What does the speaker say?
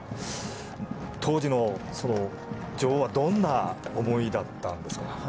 当時の女王はどんな思いだったんですか？